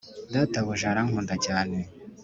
databuja arankunda cyane;